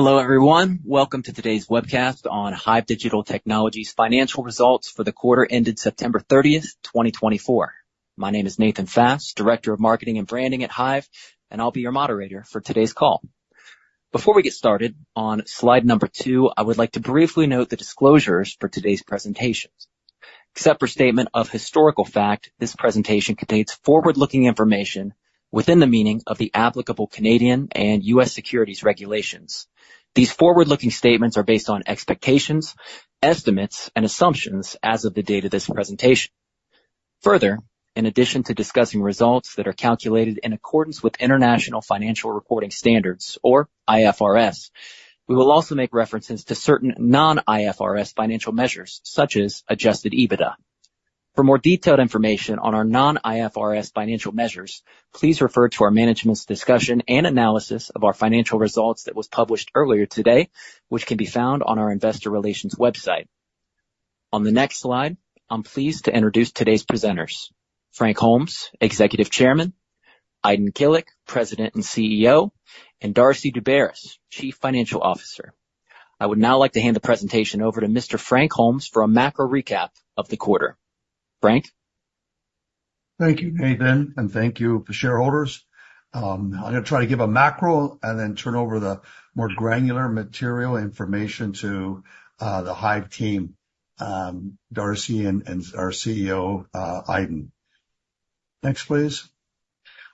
Hello, everyone. Welcome to today's webcast on HIVE Digital Technologies' financial results for the quarter ended September 30, 2024. My name is Nathan Fast, Director of Marketing and Branding at HIVE, and I'll be your moderator for today's call. Before we get started, on slide number two, I would like to briefly note the disclosures for today's presentations. Except for statements of historical fact, this presentation contains forward-looking information within the meaning of the applicable Canadian and U.S. securities regulations. These forward-looking statements are based on expectations, estimates, and assumptions as of the date of this presentation. Further, in addition to discussing results that are calculated in accordance with International Financial Reporting Standards, or IFRS, we will also make references to certain non-IFRS financial measures, such as Adjusted EBITDA. For more detailed information on our non-IFRS financial measures, please refer to our Management's Discussion and Analysis of our financial results that was published earlier today, which can be found on our Investor Relations website. On the next slide, I'm pleased to introduce today's presenters: Frank Holmes, Executive Chairman; Aydin Kilic, President and CEO; and Darcy Daubaras, Chief Financial Officer. I would now like to hand the presentation over to Mr. Frank Holmes for a macro recap of the quarter. Frank. Thank you, Nathan, and thank you to shareholders. I'm going to try to give a macro and then turn over the more granular material information to the HIVE team, Darcy, and our CEO, Aydin. Next, please.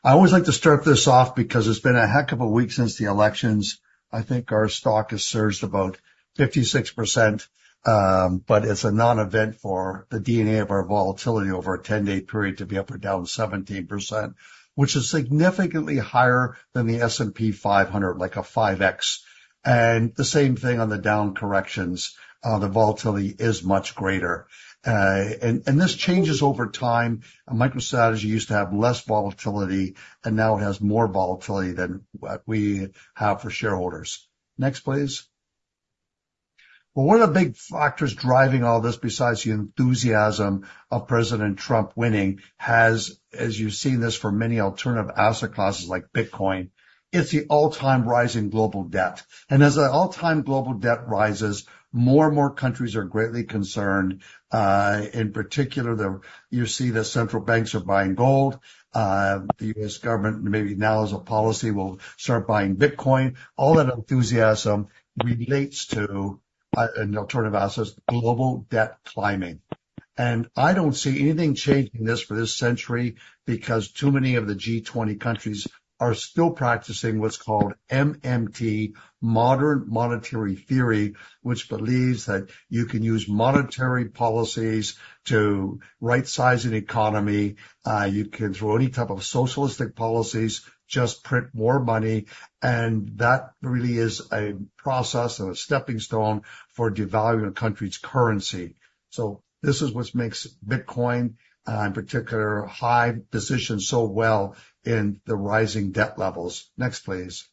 I always like to start this off because it's been a heck of a week since the elections. I think our stock has surged about 56%, but it's a non-event for the DNA of our volatility over a 10-day period to be up or down 17%, which is significantly higher than the S&P 500, like a 5X. And the same thing on the down corrections. The volatility is much greater. And this changes over time. MicroStrategy used to have less volatility, and now it has more volatility than what we have for shareholders. Next, please. One of the big factors driving all this, besides the enthusiasm of President Trump winning, has, as you've seen this for many alternative asset classes like Bitcoin, it's the all-time rising global debt. As the all-time global debt rises, more and more countries are greatly concerned. In particular, you see that central banks are buying gold. The U.S. government, maybe now as a policy, will start buying Bitcoin. All that enthusiasm relates to, in alternative assets, global debt climbing. I don't see anything changing this for this century because too many of the G20 countries are still practicing what's called MMT, Modern Monetary Theory, which believes that you can use monetary policies to right-size an economy. You can throw any type of socialistic policies, just print more money. That really is a process and a stepping stone for devaluing a country's currency. So this is what makes Bitcoin, in particular, HIVE, position so well in the rising debt levels. Next, please.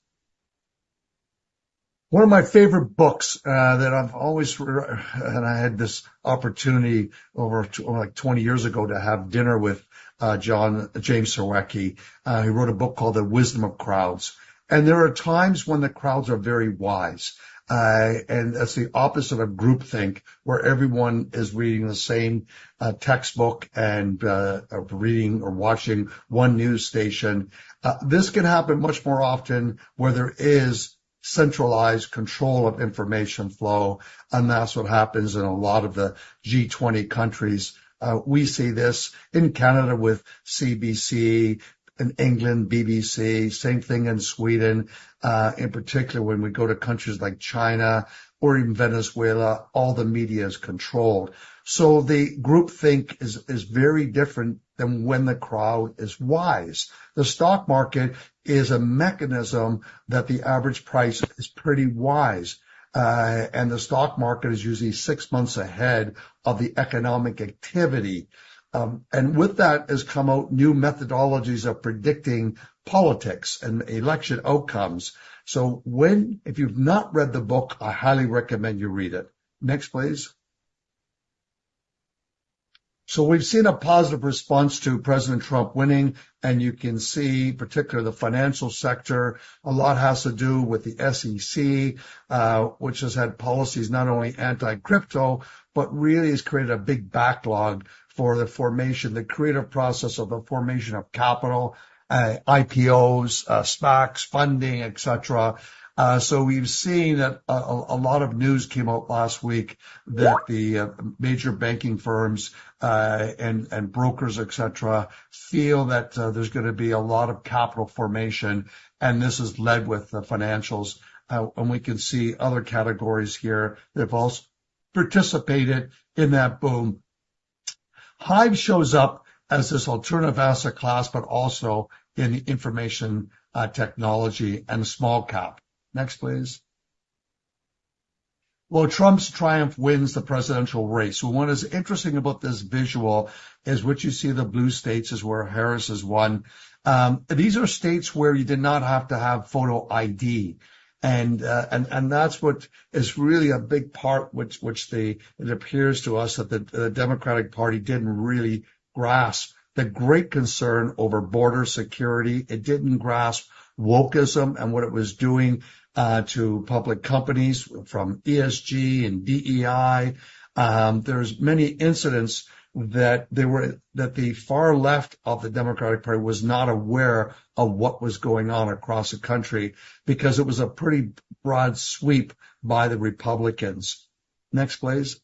One of my favorite books that I've always read, and I had this opportunity over like 20 years ago to have dinner with James Surowiecki. He wrote a book called The Wisdom of Crowds. And there are times when the crowds are very wise. And that's the opposite of groupthink, where everyone is reading the same textbook and reading or watching one news station. This can happen much more often where there is centralized control of information flow, and that's what happens in a lot of the G20 countries. We see this in Canada with CBC, in England, BBC, same thing in Sweden. In particular, when we go to countries like China or even Venezuela, all the media is controlled. So the groupthink is very different than when the crowd is wise. The stock market is a mechanism that the average price is pretty wise. And the stock market is usually six months ahead of the economic activity. And with that has come out new methodologies of predicting politics and election outcomes. So if you've not read the book, I highly recommend you read it. Next, please. So we've seen a positive response to President Trump winning, and you can see, particularly the financial sector, a lot has to do with the SEC, which has had policies not only anti-crypto, but really has created a big backlog for the creative process of the formation of capital, IPOs, SPACs, funding, etc. We've seen that a lot of news came out last week that the major banking firms and brokers, etc., feel that there's going to be a lot of capital formation, and this is led with the financials. We can see other categories here that have also participated in that boom. HIVE shows up as this alternative asset class, but also in the information technology and small cap. Next, please. Trump's triumph wins the presidential race. What is interesting about this visual is what you see, the blue states, is where Harris has won. These are states where you did not have to have photo ID. That's what is really a big part, which it appears to us that the Democratic Party didn't really grasp the great concern over border security. It didn't grasp wokeism and what it was doing to public companies from ESG and DEI. There's many incidents that the far left of the Democratic Party was not aware of what was going on across the country because it was a pretty broad sweep by the Republicans. Next, please.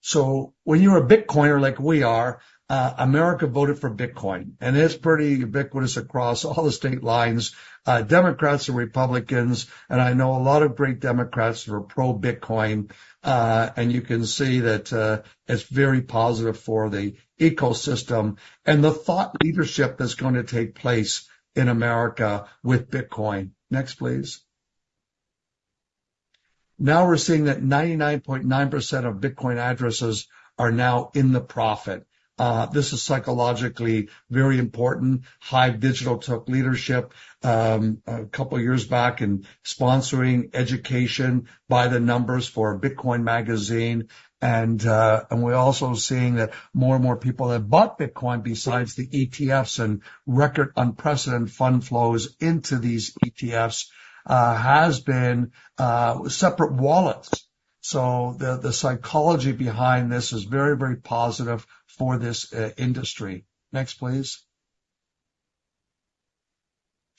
So when you're a Bitcoiner like we are, America voted for Bitcoin. And it's pretty ubiquitous across all the state lines, Democrats and Republicans. And I know a lot of great Democrats who are pro-Bitcoin. And you can see that it's very positive for the ecosystem and the thought leadership that's going to take place in America with Bitcoin. Next, please. Now we're seeing that 99.9% of Bitcoin addresses are now in the profit. This is psychologically very important. HIVE Digital took leadership a couple of years back in sponsoring education by the numbers for Bitcoin Magazine. We're also seeing that more and more people have bought Bitcoin besides the ETFs, and record unprecedented fund flows into these ETFs has been separate wallets. The psychology behind this is very, very positive for this industry. Next, please.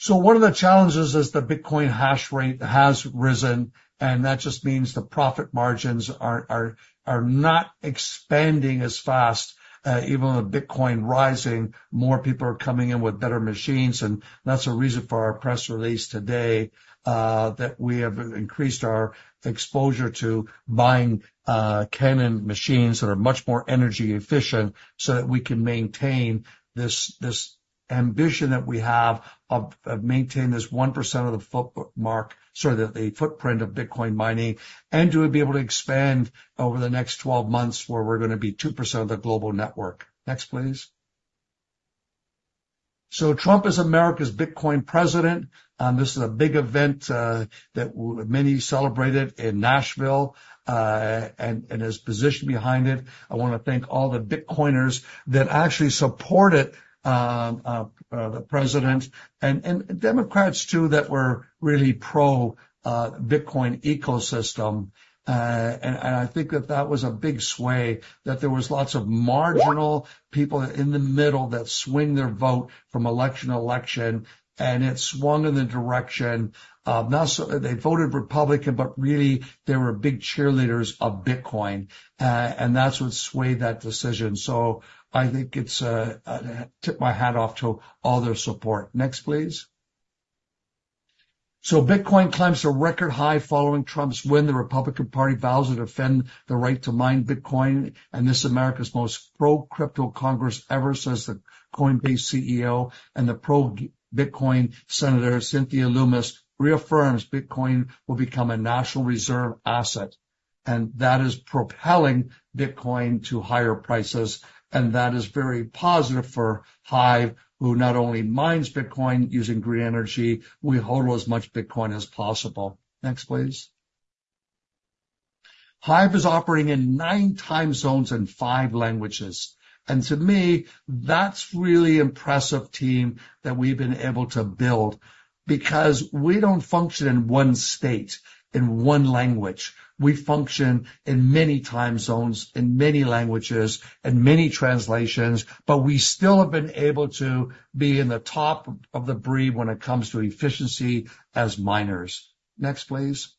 One of the challenges is the Bitcoin hash rate has risen, and that just means the profit margins are not expanding as fast. Even with Bitcoin rising, more people are coming in with better machines. That's a reason for our press release today that we have increased our exposure to buying Canaan machines that are much more energy efficient so that we can maintain this ambition that we have of maintaining this 1% of the footprint of Bitcoin mining and to be able to expand over the next 12 months where we're going to be 2% of the global network. Next, please. So Trump is America's Bitcoin president. This is a big event that many celebrated in Nashville and his position behind it. I want to thank all the Bitcoiners that actually supported the president and Democrats too that were really pro-Bitcoin ecosystem. And I think that that was a big sway, that there was lots of marginal people in the middle that swing their vote from election to election. And it swung in the direction of not so they voted Republican, but really they were big cheerleaders of Bitcoin. And that's what swayed that decision. So I think it's a tip my hat off to all their support. Next, please. So Bitcoin climbs to record high following Trump's win. The Republican Party vows to defend the right to mine Bitcoin. This is America's most pro-crypto Congress ever, says the Coinbase CEO and the pro-Bitcoin senator Cynthia Lummis, reaffirms Bitcoin will become a national reserve asset. That is propelling Bitcoin to higher prices. That is very positive for HIVE, who not only mines Bitcoin using green energy, we hold as much Bitcoin as possible. Next, please. HIVE is operating in nine time zones and five languages. To me, that's really impressive, team, that we've been able to build because we don't function in one state in one language. We function in many time zones, in many languages, in many translations, but we still have been able to be in the top of the breed when it comes to efficiency as miners. Next, please.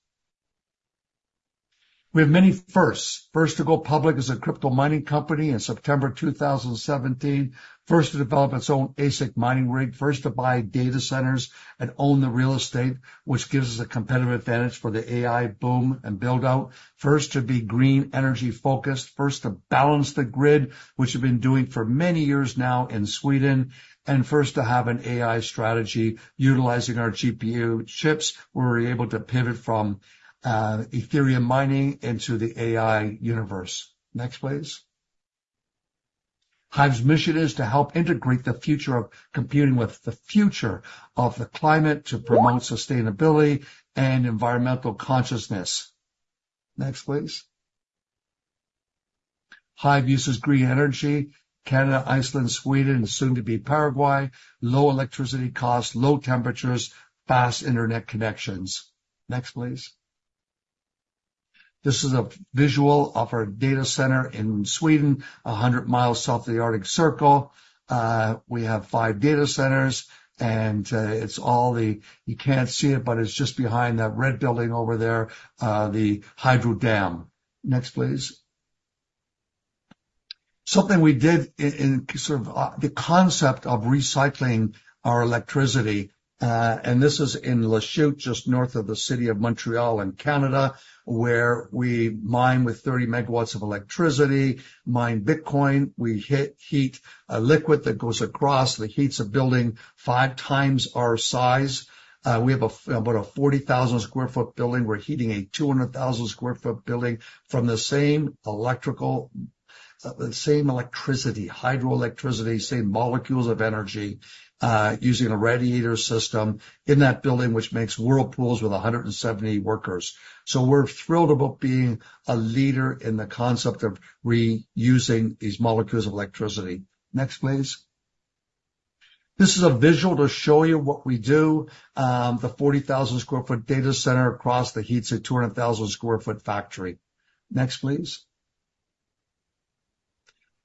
We have many firsts. First to go public as a crypto mining company in September 2017, first to develop its own ASIC mining rig, first to buy data centers and own the real estate, which gives us a competitive advantage for the AI boom and build-out, first to be green energy focused, first to balance the grid, which we've been doing for many years now in Sweden, and first to have an AI strategy utilizing our GPU chips, where we're able to pivot from Ethereum mining into the AI universe. Next, please. HIVE's mission is to help integrate the future of computing with the future of the climate to promote sustainability and environmental consciousness. Next, please. HIVE uses green energy. Canada, Iceland, Sweden, and soon to be Paraguay. Low electricity costs, low temperatures, fast internet connections. Next, please. This is a visual of our data center in Sweden, 100 mi south of the Arctic Circle. We have five data centers, and it's all the, you can't see it, but it's just behind that red building over there, the hydro dam. Next, please. Something we did in sort of the concept of recycling our electricity, and this is in Lachute, just north of the city of Montreal in Canada, where we mine with 30 MWs of electricity, mine Bitcoin. We heat a liquid that goes across. The heat's a building five times our size. We have about a 40,000 sq ft building. We're heating a 200,000 sq ft building from the same electrical, the same electricity, hydroelectricity, same molecules of energy using a radiator system in that building, which makes whirlpools with 170 workers. So we're thrilled about being a leader in the concept of reusing these molecules of electricity. Next, please. This is a visual to show you what we do. The 40,000 sq ft data center across the street heats a 200,000 sq ft factory. Next, please.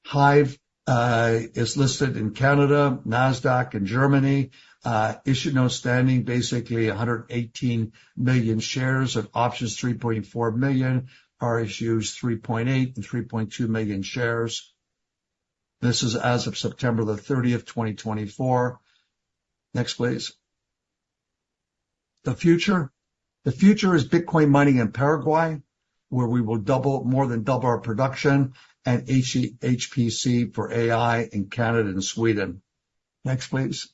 HIVE is listed in Canada, Nasdaq in Germany, issued and outstanding, basically 118 million shares and options 3.4 million, RSUs 3.8 and 3.2 million shares. This is as of September the 30th, 2024. Next, please. The future. The future is Bitcoin mining in Paraguay, where we will double, more than double our production and HPC for AI in Canada and Sweden. Next, please.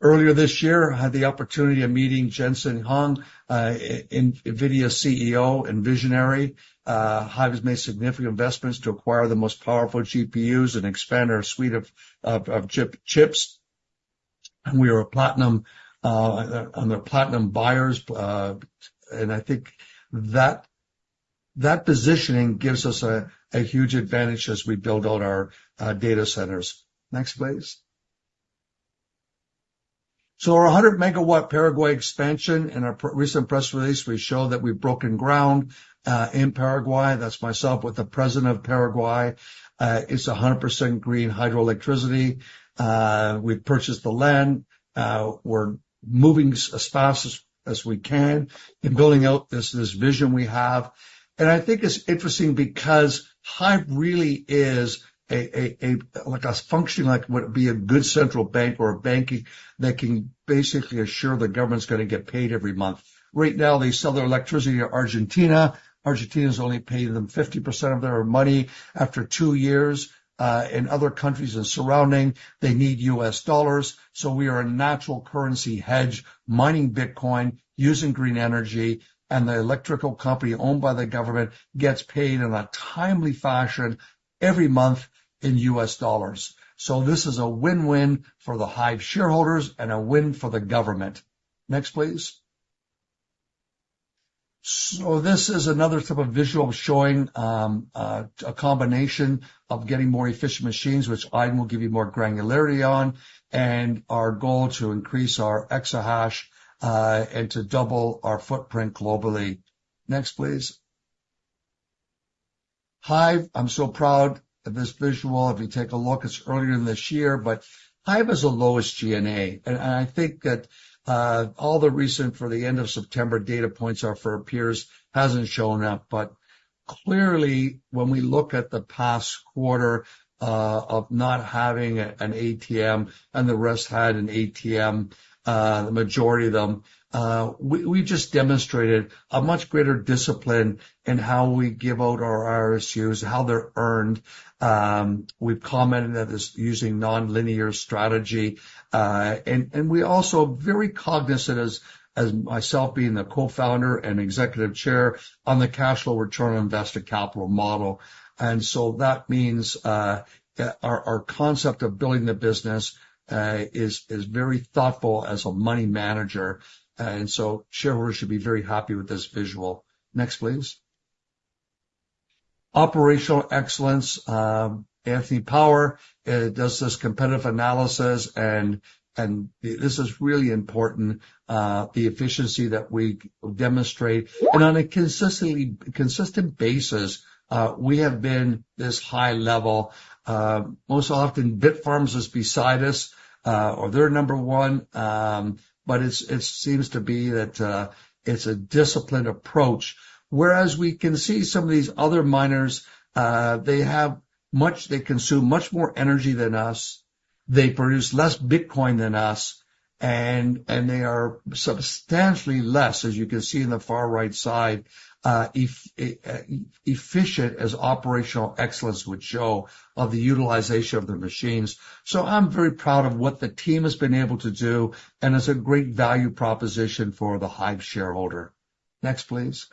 Earlier this year, I had the opportunity of meeting Jensen Huang, NVIDIA CEO and visionary. HIVE has made significant investments to acquire the most powerful GPUs and expand our suite of chips. And we are a platinum and they're platinum buyers. I think that positioning gives us a huge advantage as we build out our data centers. Next, please. Our 100-MW Paraguay expansion in our recent press release, we show that we've broken ground in Paraguay. That's myself with the president of Paraguay. It's 100% green hydroelectricity. We've purchased the land. We're moving as fast as we can and building out this vision we have. I think it's interesting because HIVE really is like a functioning like what would be a good central bank or a bank that can basically assure the government's going to get paid every month. Right now, they sell their electricity to Argentina. Argentina has only paid them 50% of their money after two years. In other countries and surrounding, they need U.S. dollars. We are a natural currency hedge, mining Bitcoin, using green energy. And the electrical company owned by the government gets paid in a timely fashion every month in U.S. dollars. So this is a win-win for the HIVE shareholders and a win for the government. Next, please. So this is another type of visual showing a combination of getting more efficient machines, which I will give you more granularity on, and our goal to increase our exahash and to double our footprint globally. Next, please. HIVE, I'm so proud of this visual. If you take a look, it's earlier in this year, but HIVE is the lowest G&A. And I think that all the recent for the end of September data points are for our peers hasn't shown up. But clearly, when we look at the past quarter of not having an ATM and the rest had an ATM, the majority of them, we just demonstrated a much greater discipline in how we give out our RSUs, how they're earned. We've commented that it's using non-linear strategy. And we also are very cognizant, as myself being the co-founder and Executive Chair, on the cash flow return on invested capital model. And so that means our concept of building the business is very thoughtful as a money manager. And so shareholders should be very happy with this visual. Next, please. Operational excellence. Anthony Power does this competitive analysis. And this is really important, the efficiency that we demonstrate. And on a consistent basis, we have been this high level. Most often, Bitfarms is beside us or they're number one. But it seems to be that it's a disciplined approach. Whereas we can see some of these other miners, they have much they consume much more energy than us. They produce less Bitcoin than us, and they are substantially less, as you can see in the far right side, efficient as operational excellence would show of the utilization of the machines. I'm very proud of what the team has been able to do, and it's a great value proposition for the HIVE shareholder. Next, please.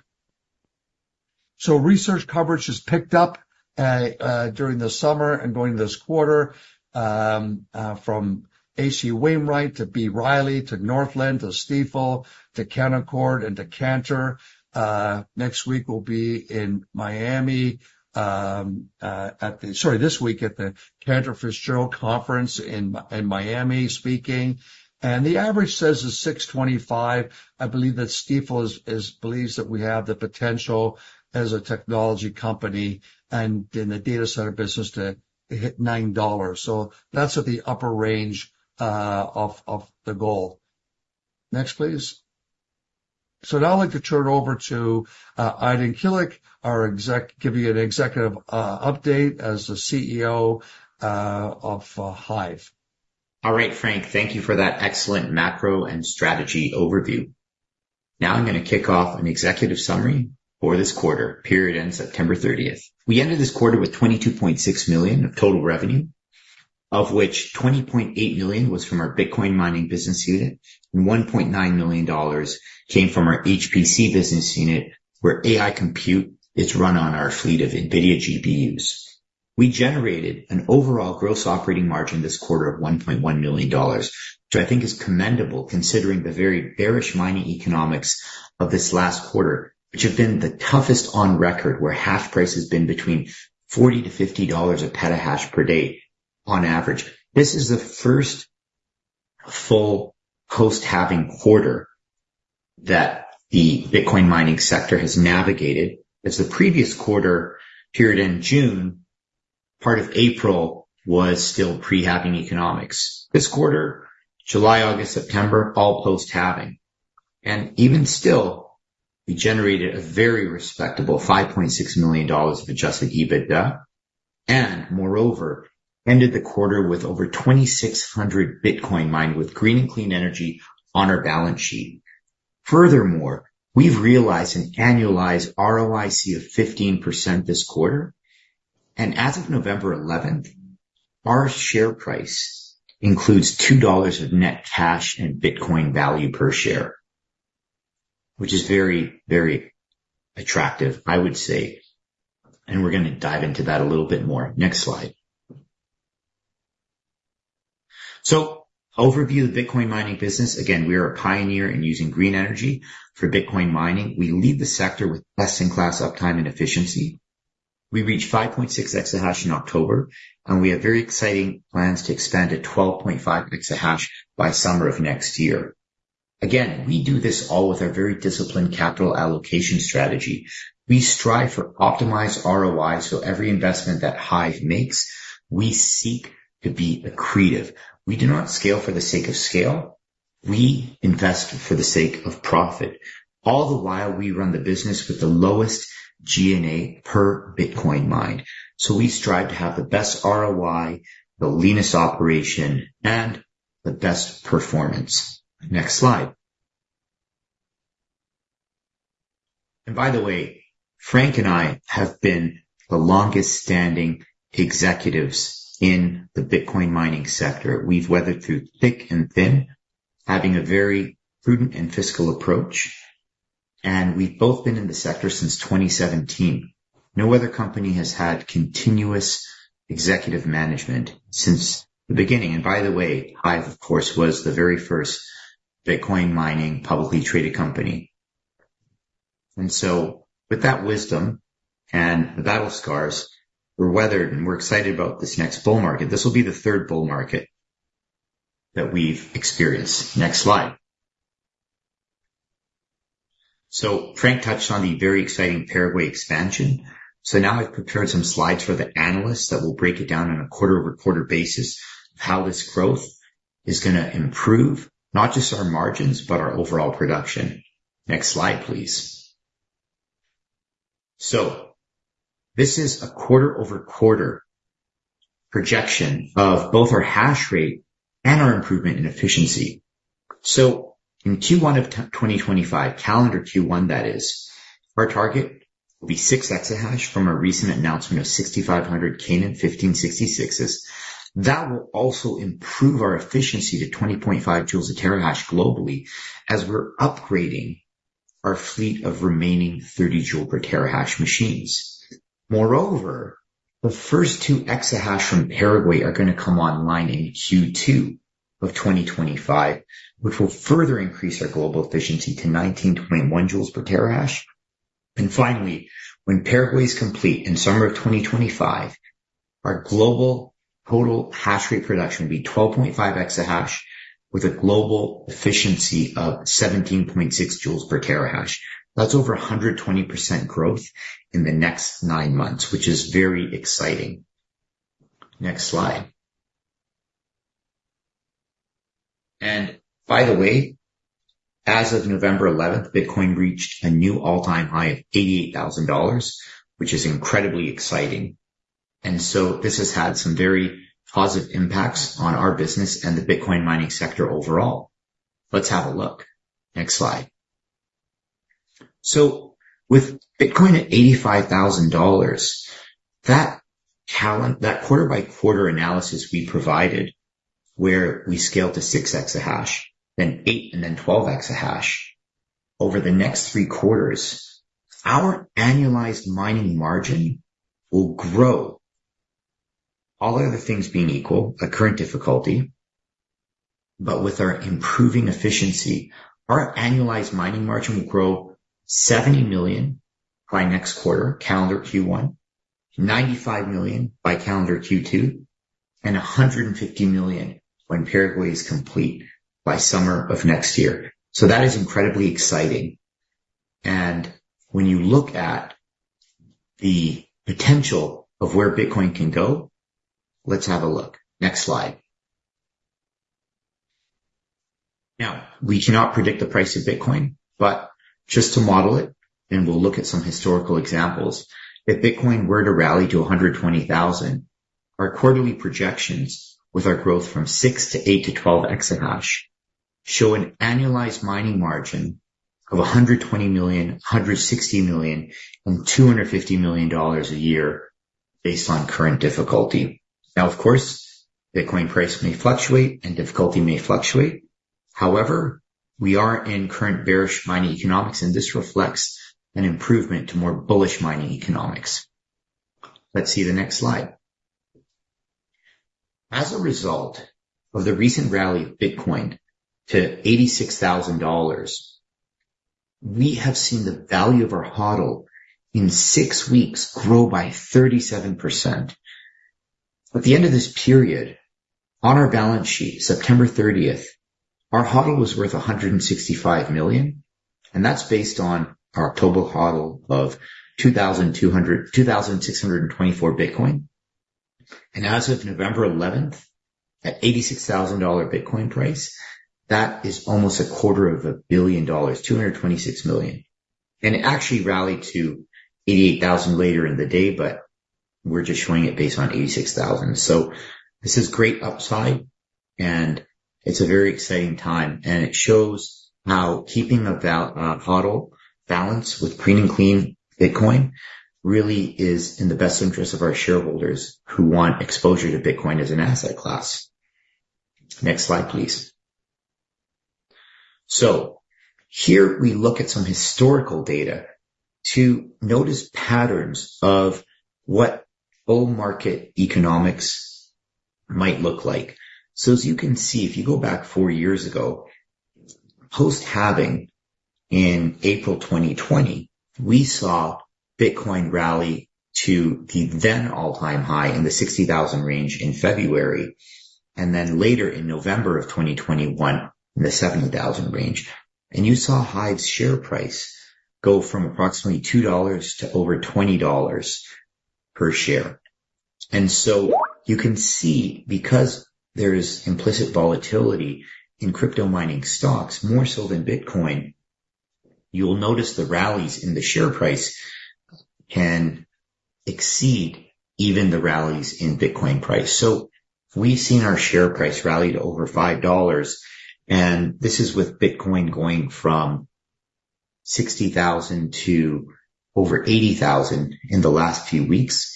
Research coverage has picked up during the summer and going this quarter from H.C. Wainwright to B. Riley to Northland to Stifel to Canaccord and to Cantor. Next week will be in Miami at the, sorry, this week at the Cantor Fitzgerald Conference in Miami speaking. The average is $6.25. I believe that Stifel believes that we have the potential as a technology company and in the data center business to hit $9. So that's at the upper range of the goal. Next, please. So now I'd like to turn it over to Aydin Kilic, our exec, giving you an executive update as the CEO of HIVE. All right, Frank, thank you for that excellent macro and strategy overview. Now I'm going to kick off an executive summary for this quarter, period end September 30th. We ended this quarter with $22.6 million of total revenue, of which $20.8 million was from our Bitcoin mining business unit and $1.9 million came from our HPC business unit where AI compute is run on our fleet of NVIDIA GPUs. We generated an overall gross operating margin this quarter of $1.1 million, which I think is commendable considering the very bearish mining economics of this last quarter, which have been the toughest on record, where hash price has been between $40-$50 a petahash per day on average. This is the first full post-halving quarter that the Bitcoin mining sector has navigated. As the previous quarter, period end June, part of April was still pre-halving economics. This quarter, July, August, September, all post-halving. Even still, we generated a very respectable $5.6 million of Adjusted EBITDA. Moreover, we ended the quarter with over 2,600 Bitcoin mined with green and clean energy on our balance sheet. Furthermore, we've realized an annualized ROIC of 15% this quarter. As of November 11th, our share price includes $2 of net cash and Bitcoin value per share, which is very, very attractive, I would say. We're going to dive into that a little bit more. Next slide. Overview of the Bitcoin mining business. Again, we are a pioneer in using green energy for Bitcoin mining. We lead the sector with best-in-class uptime and efficiency. We reached 5.6 exahash in October, and we have very exciting plans to expand to 12.5 exahash by summer of next year. Again, we do this all with our very disciplined capital allocation strategy. We strive for optimized ROI, so every investment that HIVE makes, we seek to be accretive. We do not scale for the sake of scale. We invest for the sake of profit. All the while, we run the business with the lowest G&A per Bitcoin mined. So we strive to have the best ROI, the leanest operation, and the best performance. Next slide. And by the way, Frank and I have been the longest-standing executives in the Bitcoin mining sector. We've weathered through thick and thin, having a very prudent and fiscal approach. And we've both been in the sector since 2017. No other company has had continuous executive management since the beginning. And by the way, HIVE, of course, was the very first Bitcoin mining publicly traded company. And so with that wisdom and the battle scars, we're weathered and we're excited about this next bull market. This will be the third bull market that we've experienced. Next slide. So Frank touched on the very exciting Paraguay expansion. So now I've prepared some slides for the analysts that will break it down on a quarter-over-quarter basis of how this growth is going to improve not just our margins, but our overall production. Next slide, please. So this is a quarter-over-quarter projection of both our hash rate and our improvement in efficiency. So in Q1 of 2025, calendar Q1, that is, our target will be 6 exahash from our recent announcement of 6,500 Canaan 1566s. That will also improve our efficiency to 20.5 joules a terahash globally as we're upgrading our fleet of remaining 30 joules per terahash machines. Moreover, the first two exahash from Paraguay are going to come online in Q2 of 2025, which will further increase our global efficiency to 19.21 joules per terahash. Finally, when Paraguay is complete in summer of 2025, our global total hash rate production will be 12.5 exahash with a global efficiency of 17.6 joules per terahash. That's over 120% growth in the next nine months, which is very exciting. Next slide. By the way, as of November 11th, Bitcoin reached a new all-time high of $88,000, which is incredibly exciting. So this has had some very positive impacts on our business and the Bitcoin mining sector overall. Let's have a look. Next slide. With Bitcoin at $85,000, that quarter-by-quarter analysis we provided, where we scaled to 6 exahash, then 8, and then 12 exahash, over the next three quarters, our annualized mining margin will grow, all other things being equal, at current difficulty. But with our improving efficiency, our annualized mining margin will grow $70 million by next quarter, calendar Q1, $95 million by calendar Q2, and $150 million when Paraguay is complete by summer of next year. So that is incredibly exciting. And when you look at the potential of where Bitcoin can go, let's have a look. Next slide. Now, we cannot predict the price of Bitcoin, but just to model it, and we'll look at some historical examples. If Bitcoin were to rally to 120,000, our quarterly projections with our growth from 6 to 8 to 12 exahash show an annualized mining margin of $120 million, $160 million, and $250 million a year based on current difficulty. Now, of course, Bitcoin price may fluctuate and difficulty may fluctuate. However, we are in current bearish mining economics, and this reflects an improvement to more bullish mining economics. Let's see the next slide. As a result of the recent rally of Bitcoin to $86,000, we have seen the value of our HODL in six weeks grow by 37%. At the end of this period, on our balance sheet, September 30th, our HODL was worth $165 million. And that's based on our total HODL of 2,624 Bitcoin. And as of November 11th, at $86,000 Bitcoin price, that is almost a quarter of a billion, $226 million. And it actually rallied to $88,000 later in the day, but we're just showing it based on $86,000. So this is great upside, and it's a very exciting time. And it shows how keeping a HODL balance with green and clean Bitcoin really is in the best interest of our shareholders who want exposure to Bitcoin as an asset class. Next slide, please. Here we look at some historical data to notice patterns of what bull market economics might look like. As you can see, if you go back four years ago, post-halving in April 2020, we saw Bitcoin rally to the then all-time high in the $60,000 range in February, and then later in November of 2021, in the $70,000 range. You saw HIVE's share price go from approximately $2 to over $20 per share. You can see, because there is implicit volatility in crypto mining stocks, more so than Bitcoin, you'll notice the rallies in the share price can exceed even the rallies in Bitcoin price. We've seen our share price rally to over $5. This is with Bitcoin going from $60,000 to over $80,000 in the last few weeks.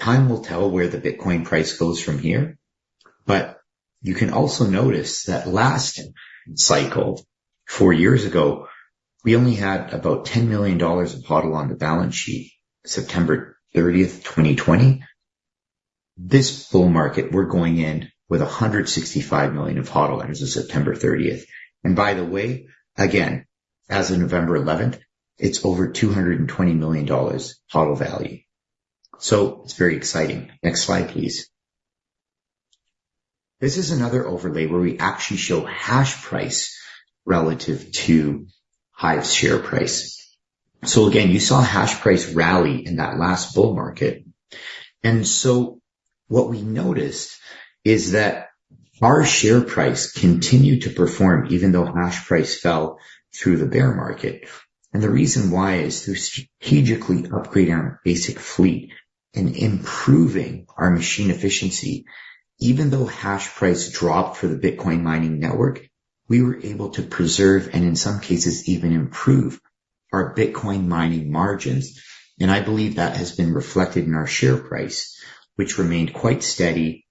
Time will tell where the Bitcoin price goes from here. You can also notice that last cycle, four years ago, we only had about $10 million of HODL on the balance sheet, September 30th, 2020. This bull market, we're going in with $165 million of HODL as of September 30th. And by the way, again, as of November 11th, it's over $220 million HODL value. It's very exciting. Next slide, please. This is another overlay where we actually show hash price relative to HIVE's share price. Again, you saw hash price rally in that last bull market. And so what we noticed is that our share price continued to perform even though hash price fell through the bear market. The reason why is through strategically upgrading our ASIC fleet and improving our machine efficiency, even though hash price dropped for the Bitcoin mining network, we were able to preserve and in some cases even improve our Bitcoin mining margins. I believe that has been reflected in our share price, which remained quite steady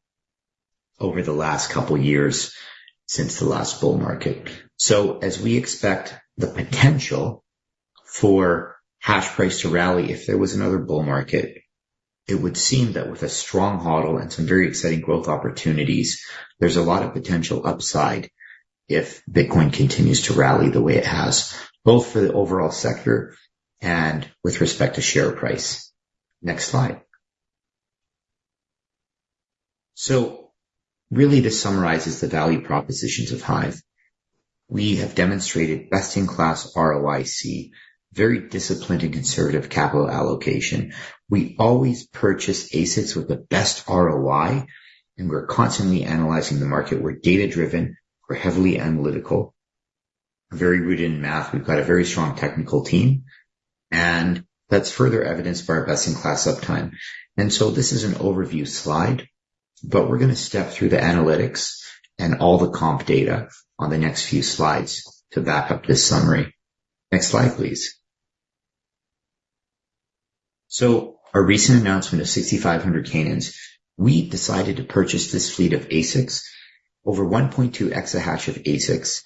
over the last couple of years since the last bull market. As we expect the potential for hash price to rally, if there was another bull market, it would seem that with a strong HODL and some very exciting growth opportunities, there's a lot of potential upside if Bitcoin continues to rally the way it has, both for the overall sector and with respect to share price. Next slide. Really, this summarizes the value propositions of HIVE. We have demonstrated best-in-class ROIC, very disciplined and conservative capital allocation. We always purchase ASICs with the best ROI, and we're constantly analyzing the market. We're data-driven. We're heavily analytical, very rooted in math. We've got a very strong technical team. And that's further evidenced by our best-in-class uptime. And so this is an overview slide, but we're going to step through the analytics and all the comp data on the next few slides to back up this summary. Next slide, please. So our recent announcement of 6,500 Canaans, we decided to purchase this fleet of ASICs, over 1.2 exahash of ASICs,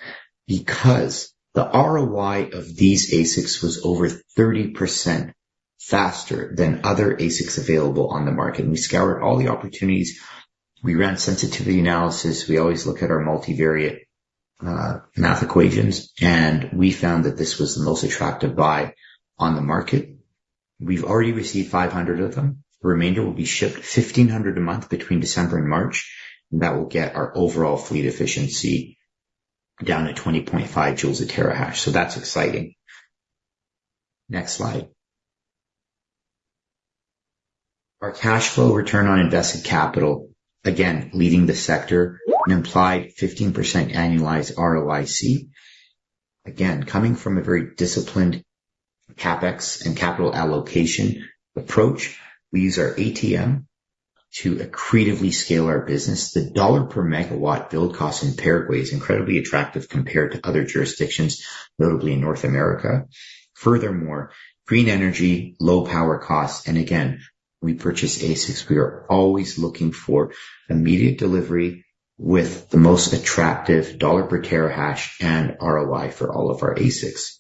because the ROI of these ASICs was over 30% faster than other ASICs available on the market. We scoured all the opportunities. We ran sensitivity analysis. We always look at our multivariate math equations, and we found that this was the most attractive buy on the market. We've already received 500 of them. The remainder will be shipped 1,500 a month between December and March, and that will get our overall fleet efficiency down to 20.5 joules per terahash, so that's exciting. Next slide. Our cash flow return on invested capital, again, leading the sector, an implied 15% annualized ROIC. Again, coming from a very disciplined CapEx and capital allocation approach, we use our ATM to accretively scale our business. The $ per MW build cost in Paraguay is incredibly attractive compared to other jurisdictions, notably in North America. Furthermore, green energy, low power costs, and again, we purchase ASICs. We are always looking for immediate delivery with the most attractive $ per terahash and ROI for all of our ASICs.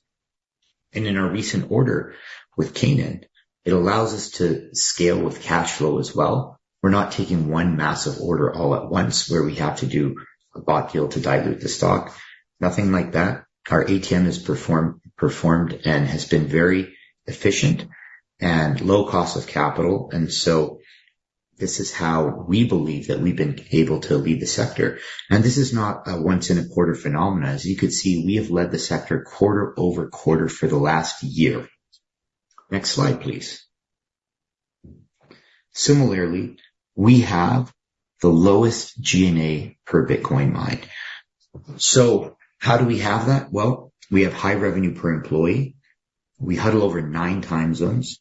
In our recent order with Canaan, it allows us to scale with cash flow as well. We're not taking one massive order all at once where we have to do a bought deal to dilute the stock. Nothing like that. Our ATM has performed and has been very efficient and low cost of capital, and so this is how we believe that we've been able to lead the sector, and this is not a once-in-a-quarter phenomenon. As you could see, we have led the sector quarter over quarter for the last year. Next slide, please. Similarly, we have the lowest G&A per Bitcoin mined. So how do we have that? Well, we have high revenue per employee. We huddle over nine time zones.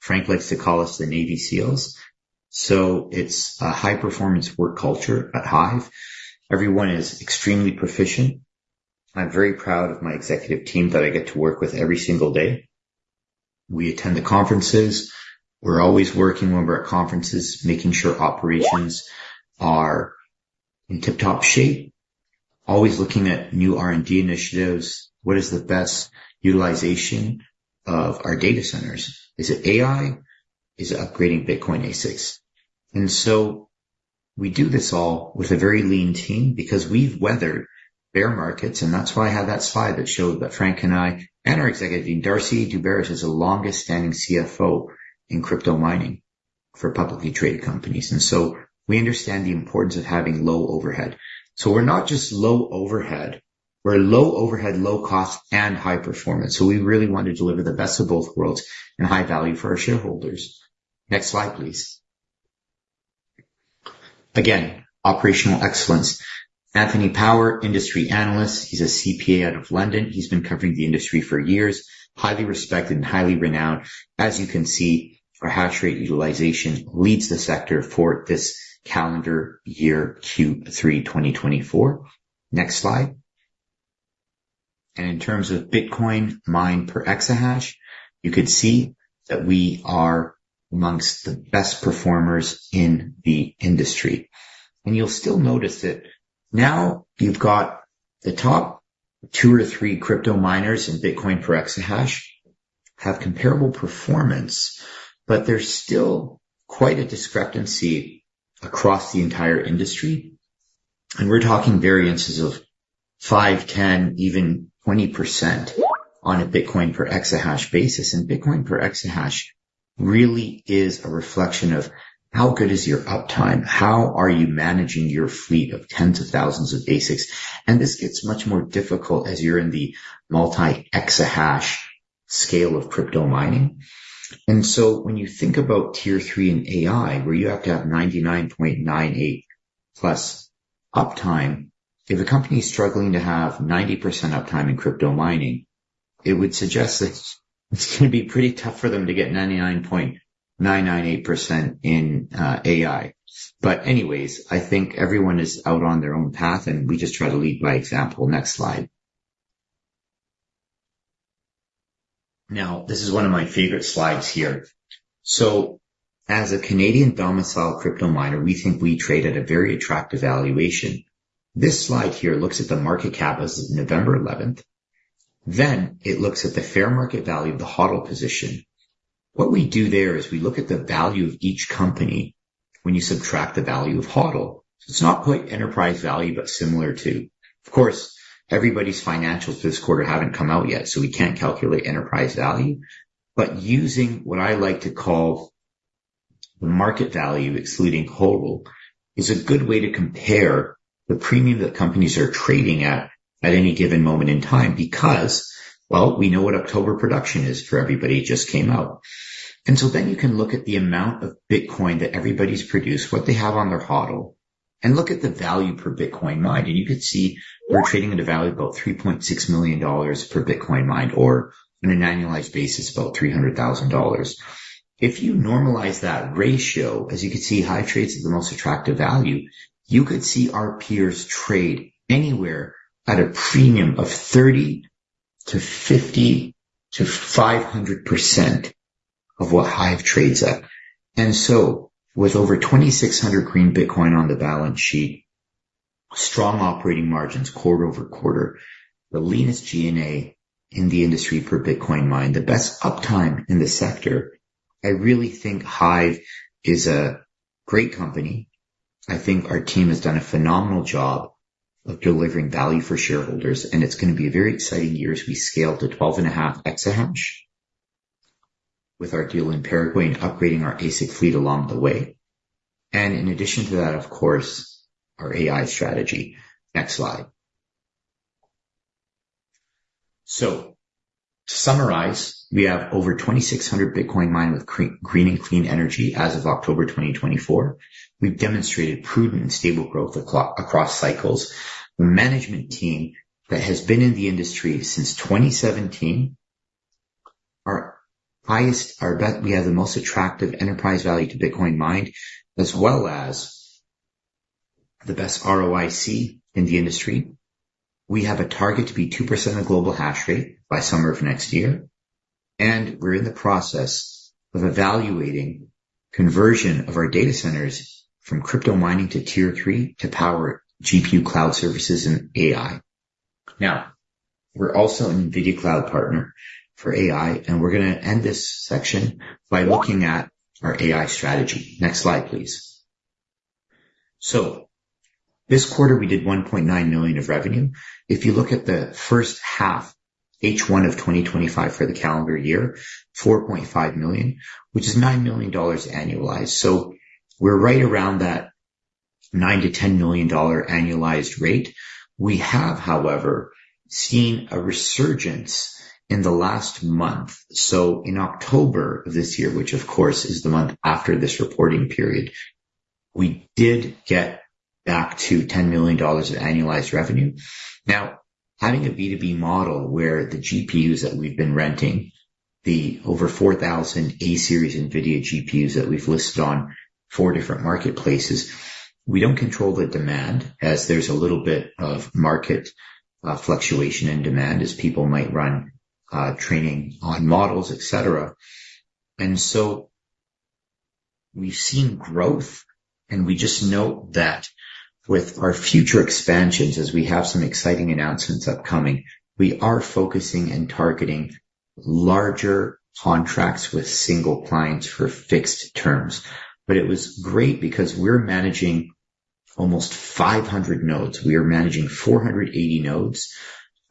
Frank likes to call us the Navy SEALs. So it's a high-performance work culture at HIVE. Everyone is extremely proficient. I'm very proud of my executive team that I get to work with every single day. We attend the conferences. We're always working when we're at conferences, making sure operations are in tip-top shape, always looking at new R&D initiatives. What is the best utilization of our data centers? Is it AI? Is it upgrading Bitcoin ASICs? And so we do this all with a very lean team because we've weathered bear markets. And that's why I have that slide that showed that Frank and I and our executive team, Darcy Daubaras, is the longest-standing CFO in crypto mining for publicly traded companies. And so we understand the importance of having low overhead. So we're not just low overhead. We're low overhead, low cost, and high performance. So we really want to deliver the best of both worlds and high value for our shareholders. Next slide, please. Again, operational excellence. Anthony Power, industry analyst. He's a CPA out of London. He's been covering the industry for years. Highly respected and highly renowned. As you can see, our hash rate utilization leads the sector for this calendar year, Q3 2024. Next slide. And in terms of Bitcoin mined per exahash, you could see that we are amongst the best performers in the industry. And you'll still notice that now you've got the top two or three crypto miners in Bitcoin per exahash have comparable performance, but there's still quite a discrepancy across the entire industry. And we're talking variances of 5%, 10%, even 20% on a Bitcoin per exahash basis. And Bitcoin per exahash really is a reflection of how good is your uptime? How are you managing your fleet of tens of thousands of ASICs? And this gets much more difficult as you're in the multi-exahash scale of crypto mining. And so when you think about Tier III in AI, where you have to have 99.98% plus uptime, if a company is struggling to have 90% uptime in crypto mining, it would suggest that it's going to be pretty tough for them to get 99.998% in AI. But anyways, I think everyone is out on their own path, and we just try to lead by example. Next slide. Now, this is one of my favorite slides here. So as a Canadian domiciled crypto miner, we think we trade at a very attractive valuation. This slide here looks at the market cap as of November 11th. Then it looks at the fair market value of the HODL position. What we do there is we look at the value of each company when you subtract the value of HODL. So it's not quite enterprise value, but similar to, of course, everybody's financials this quarter haven't come out yet, so we can't calculate enterprise value. But using what I like to call the market value, excluding HODL, is a good way to compare the premium that companies are trading at any given moment in time because, well, we know what October production is for everybody just came out. And so then you can look at the amount of Bitcoin that everybody's produced, what they have on their HODL, and look at the value per Bitcoin mined. And you could see we're trading at a value of about $3.6 million per Bitcoin mined or on an annualized basis, about $300,000. If you normalize that ratio, as you could see HIVE trades at the most attractive value, you could see our peers trade anywhere at a premium of 30% to 50% to 500% of what HIVE trades at. And so with over 2,600 green Bitcoin on the balance sheet, strong operating margins quarter over quarter, the leanest G&A in the industry per Bitcoin mined, the best uptime in the sector, I really think HIVE is a great company. I think our team has done a phenomenal job of delivering value for shareholders, and it's going to be a very exciting year as we scale to 12.5 exahash with our deal in Paraguay and upgrading our ASIC fleet along the way. And in addition to that, of course, our AI strategy. Next slide. So to summarize, we have over 2,600 Bitcoin mined with green and clean energy as of October 2024. We've demonstrated prudent and stable growth across cycles. The management team that has been in the industry since 2017, our highest, our best, we have the most attractive enterprise value to Bitcoin mined, as well as the best ROIC in the industry. We have a target to be 2% of the global hash rate by summer of next year, and we're in the process of evaluating conversion of our data centers from crypto mining to Tier III to power GPU cloud services and AI. Now, we're also an NVIDIA Cloud partner for AI, and we're going to end this section by looking at our AI strategy. Next slide, please, so this quarter, we did $1.9 million of revenue. If you look at the first half, H1 of 2025 for the calendar year, $4.5 million, which is $9 million annualized, so we're right around that $9-$10 million annualized rate. We have, however, seen a resurgence in the last month. So in October of this year, which of course is the month after this reporting period, we did get back to $10 million of annualized revenue. Now, having a B2B model where the GPUs that we've been renting, the over 4,000 A-series NVIDIA GPUs that we've listed on four different marketplaces, we don't control the demand as there's a little bit of market fluctuation in demand as people might run training on models, etc. And so we've seen growth, and we just note that with our future expansions, as we have some exciting announcements upcoming, we are focusing and targeting larger contracts with single clients for fixed terms, but it was great because we're managing almost 500 nodes. We are managing 480 nodes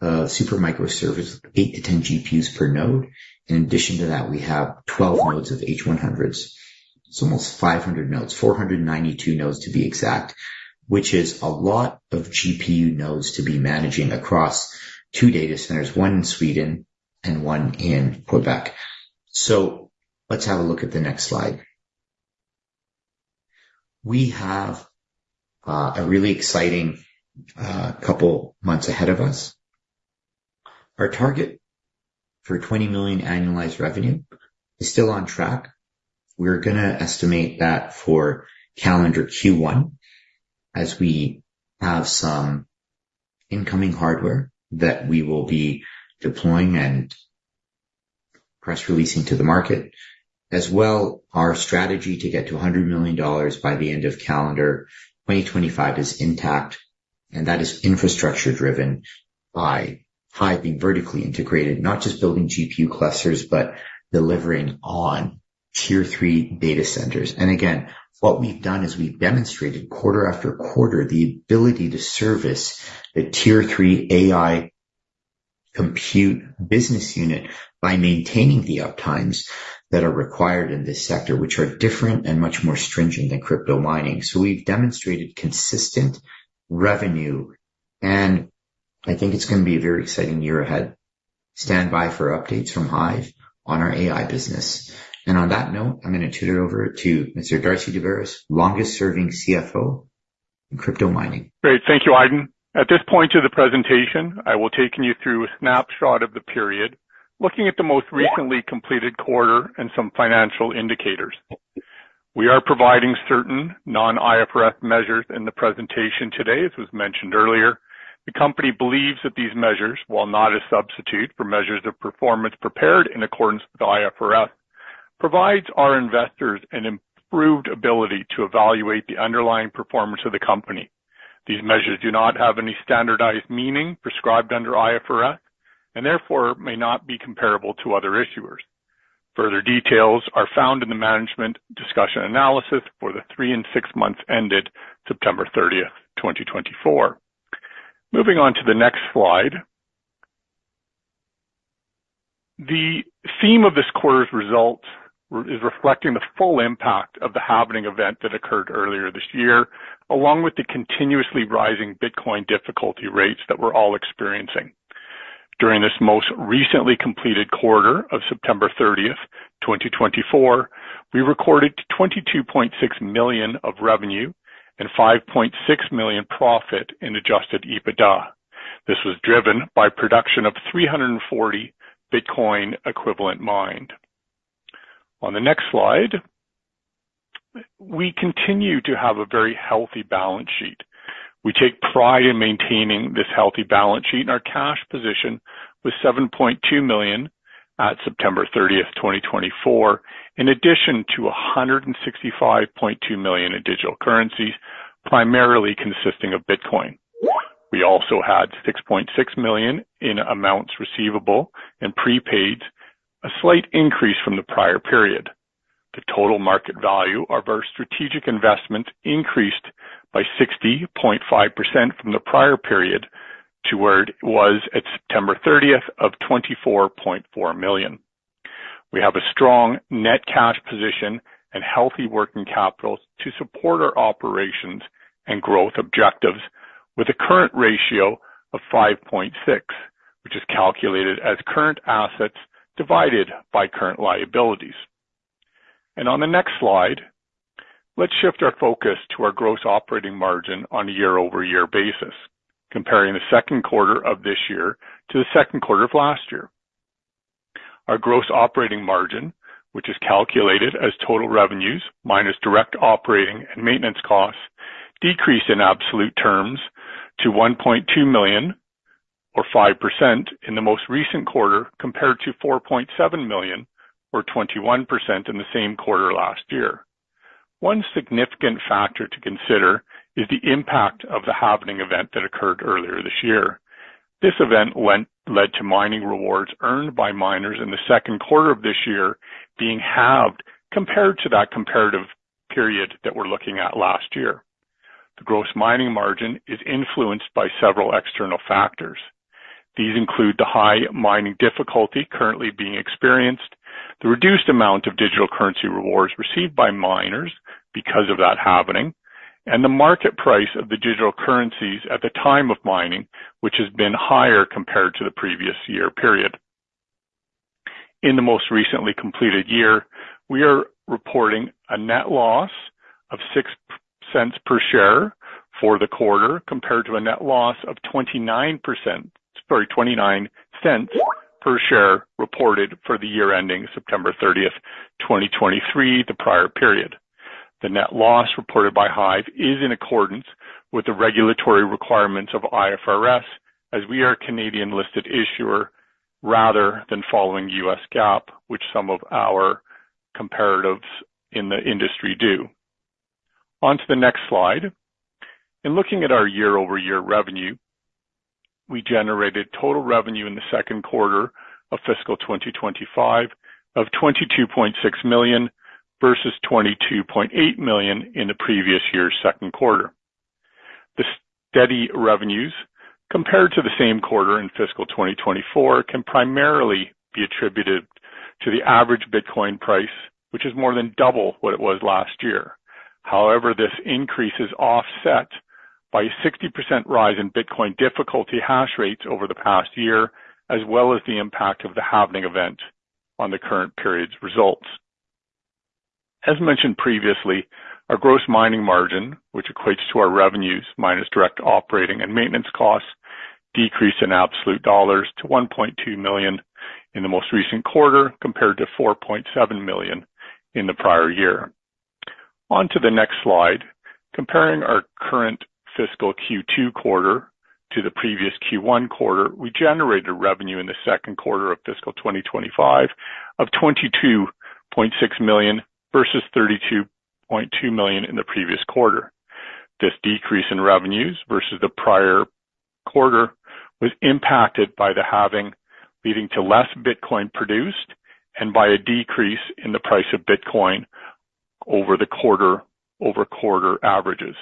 of Supermicro servers, eight to 10 GPUs per node. In addition to that, we have 12 nodes of H100s. It's almost 500 nodes, 492 nodes to be exact, which is a lot of GPU nodes to be managing across two data centers, one in Sweden and one in Quebec. So let's have a look at the next slide. We have a really exciting couple of months ahead of us. Our target for $20 million annualized revenue is still on track. We're going to estimate that for calendar Q1 as we have some incoming hardware that we will be deploying and press releasing to the market. As well, our strategy to get to $100 million by the end of calendar 2025 is intact, and that is infrastructure driven by HIVE being vertically integrated, not just building GPU clusters, but delivering on Tier III data centers. Again, what we've done is we've demonstrated quarter after quarter the ability to service the Tier III AI compute business unit by maintaining the uptimes that are required in this sector, which are different and much more stringent than crypto mining. We've demonstrated consistent revenue, and I think it's going to be a very exciting year ahead. Stand by for updates from HIVE on our AI business. On that note, I'm going to turn it over to Mr. Darcy Daubaras, longest-serving CFO in crypto mining. Great. Thank you, Aydin. At this point of the presentation, I will take you through a snapshot of the period, looking at the most recently completed quarter and some financial indicators. We are providing certain non-IFRS measures in the presentation today, as was mentioned earlier. The company believes that these measures, while not a substitute for measures of performance prepared in accordance with IFRS, provide our investors an improved ability to evaluate the underlying performance of the company. These measures do not have any standardized meaning prescribed under IFRS, and therefore may not be comparable to other issuers. Further details are found in the Management's Discussion and Analysis for the three and six months ended September 30th, 2024. Moving on to the next slide. The theme of this quarter's results is reflecting the full impact of the halving event that occurred earlier this year, along with the continuously rising Bitcoin difficulty rates that we're all experiencing. During this most recently completed quarter of September 30th, 2024, we recorded $22.6 million of revenue and $5.6 million profit in Adjusted EBITDA. This was driven by production of 340 Bitcoin equivalent mined. On the next slide, we continue to have a very healthy balance sheet. We take pride in maintaining this healthy balance sheet and our cash position was $7.2 million at September 30th, 2024, in addition to $165.2 million in digital currencies, primarily consisting of Bitcoin. We also had $6.6 million in amounts receivable and prepaids, a slight increase from the prior period. The total market value of our strategic investments increased by 60.5% from the prior period to where it was at September 30th of $24.4 million. We have a strong net cash position and healthy working capital to support our operations and growth objectives with a current ratio of 5.6, which is calculated as current assets divided by current liabilities. On the next slide, let's shift our focus to our gross operating margin on a year-over-year basis, comparing the second quarter of this year to the second quarter of last year. Our gross operating margin, which is calculated as total revenues minus direct operating and maintenance costs, decreased in absolute terms to $1.2 million or 5% in the most recent quarter compared to $4.7 million or 21% in the same quarter last year. One significant factor to consider is the impact of the halving event that occurred earlier this year. This event led to mining rewards earned by miners in the second quarter of this year being halved compared to that comparative period that we're looking at last year. The gross mining margin is influenced by several external factors. These include the high mining difficulty currently being experienced, the reduced amount of digital currency rewards received by miners because of that halving, and the market price of the digital currencies at the time of mining, which has been higher compared to the previous year period. In the most recently completed year, we are reporting a net loss of $0.06 per share for the quarter compared to a net loss of $0.29 per share reported for the year ending September 30th, 2023, the prior period. The net loss reported by HIVE is in accordance with the regulatory requirements of IFRS as we are a Canadian listed issuer rather than following U.S. GAAP, which some of our comparatives in the industry do. Onto the next slide. In looking at our year-over-year revenue, we generated total revenue in the second quarter of fiscal 2025 of $22.6 million versus $22.8 million in the previous year's second quarter. The steady revenues compared to the same quarter in fiscal 2024 can primarily be attributed to the average Bitcoin price, which is more than double what it was last year. However, this increase is offset by a 60% rise in Bitcoin difficulty and hash rates over the past year, as well as the impact of the halving event on the current period's results. As mentioned previously, our gross mining margin, which equates to our revenues minus direct operating and maintenance costs, decreased in absolute dollars to $1.2 million in the most recent quarter compared to $4.7 million in the prior year. Onto the next slide. Comparing our current fiscal Q2 quarter to the previous Q1 quarter, we generated revenue in the second quarter of fiscal 2025 of $22.6 million versus $32.2 million in the previous quarter. This decrease in revenues versus the prior quarter was impacted by the halving, leading to less Bitcoin produced and by a decrease in the price of Bitcoin over the quarter-over-quarter averages.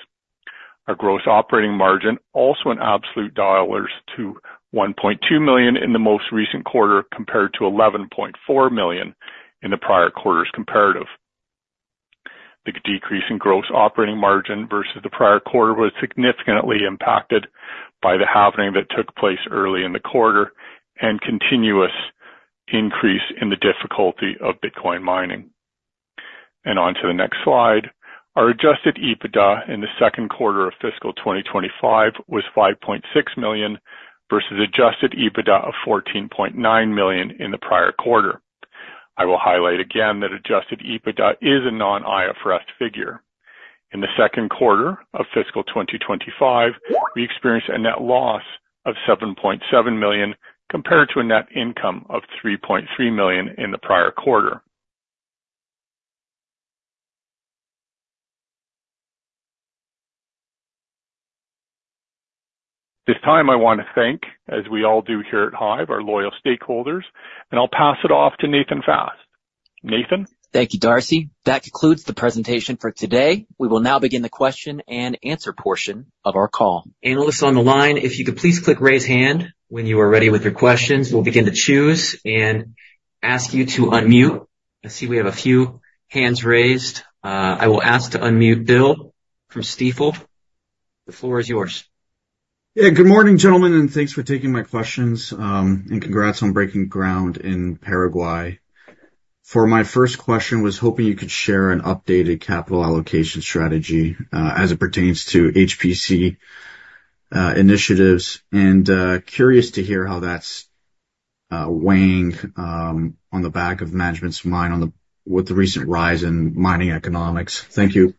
Our gross operating margin also in absolute dollars to $1.2 million in the most recent quarter compared to $11.4 million in the prior quarter's comparative. The decrease in gross operating margin versus the prior quarter was significantly impacted by the halving that took place early in the quarter and continuous increase in the difficulty of Bitcoin mining. And onto the next slide, our Adjusted EBITDA in the second quarter of fiscal 2025 was $5.6 million versus Adjusted EBITDA of $14.9 million in the prior quarter. I will highlight again that Adjusted EBITDA is a non-IFRS figure. In the second quarter of fiscal 2025, we experienced a net loss of $7.7 million compared to a net income of $3.3 million in the prior quarter. This time, I want to thank, as we all do here at HIVE, our loyal stakeholders, and I'll pass it off to Nathan Fast. Nathan. Thank you, Darcy. That concludes the presentation for today. We will now begin the question and answer portion of our call. Analysts on the line, if you could please click raise hand when you are ready with your questions. We'll begin to choose and ask you to unmute. I see we have a few hands raised. I will ask to unmute Bill from Stifel. The floor is yours. Yeah, good morning, gentlemen, and thanks for taking my questions and congrats on breaking ground in Paraguay. For my first question, I was hoping you could share an updated capital allocation strategy as it pertains to HPC initiatives, and curious to hear how that's weighing on the back of management's mind with the recent rise in mining economics. Thank you.